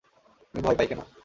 আমি ভয় পাই কেন?